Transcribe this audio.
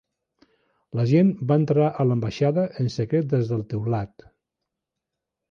L'agent va entrar a l'ambaixada en secret des del teulat.